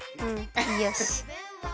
よし。